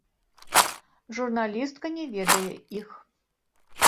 Журналістка не ведае іх.